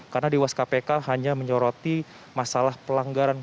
karena dewas kpk hanya menyoroti masalah pelanggaran